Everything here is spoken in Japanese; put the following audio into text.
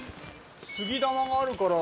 杉玉があるから。